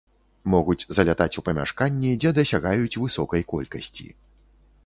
Могуць залятаць у памяшканні, дзе дасягаюць высокай колькасці.